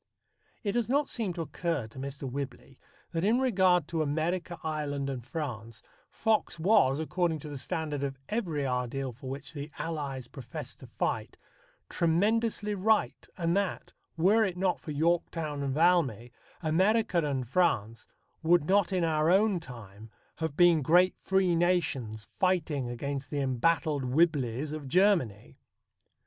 It does not seem to occur to Mr. Whibley that in regard to America, Ireland, and France, Fox was, according to the standard of every ideal for which the Allies professed to fight, tremendously right, and that, were it not for Yorktown and Valmy, America and France would not in our own time have been great free nations fighting against the embattled Whibleys of Germany.